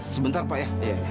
sebentar pak ya